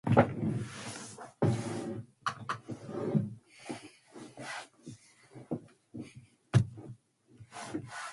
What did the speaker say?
The ship then served in the Basque Roads.